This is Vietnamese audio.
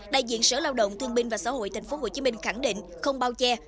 đại diện sở lao động thương binh và xã hội tp hcm khẳng định không bao che